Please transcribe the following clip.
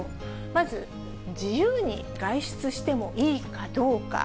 まず、自由に外出してもいいかどうか。